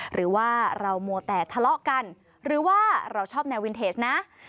หรือว่าเรามัวแต่ทะเลาะกันหรือว่าเราชอบแนววินเทจนะ